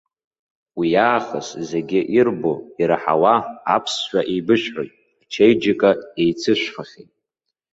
Уиаахыс зегьы ирбо ираҳауа аԥсшәа еибышәҳәоит, ачеиџьыка еицышәфахьеит.